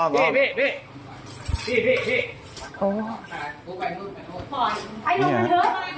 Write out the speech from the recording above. ไอ้น้องมันเถอะน้องมันบอกเป็นสิทธิ์หนูอ่ะ